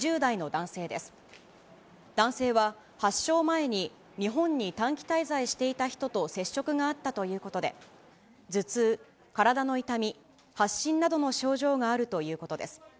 男性は発症前に日本に短期滞在していた人と接触があったということで、頭痛、体の痛み、発疹などの症状があるということです。